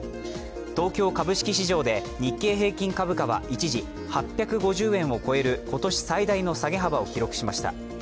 東京株式市場で日経平均株価は一時８５０円を超える今年最大の下げ幅を記録しました。